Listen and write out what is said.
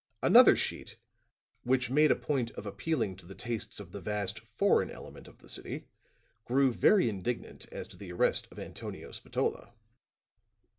Another sheet, which made a point of appealing to the tastes of the vast foreign element of the city, grew very indignant as to the arrest of Antonio Spatola.